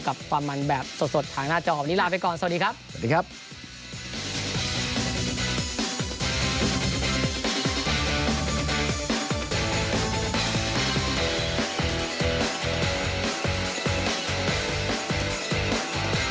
กับความมันแบบสดทางหน้าเจ้าของวันนี้ลาไปก่อน